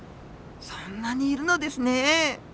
そんなにいるのですね。